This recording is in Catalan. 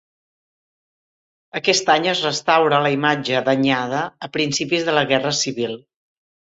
Aquest any es restaura la imatge danyada a principis de la Guerra Civil.